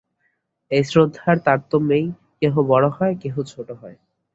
এই শ্রদ্ধার তারতম্যেই কেহ বড় হয়, কেহ ছোট হয়।